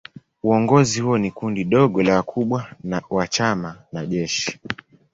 Uongozi huo ni kundi dogo la wakubwa wa chama na jeshi.